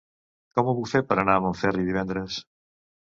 Com ho puc fer per anar a Montferri divendres?